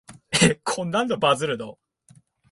え、こんなのでバズるの？